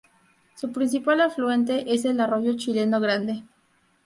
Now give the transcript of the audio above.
Su principal afluente es el arroyo Chileno Grande.